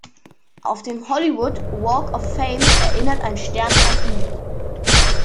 Auf dem Hollywood Walk of Fame erinnert ein Stern an ihn.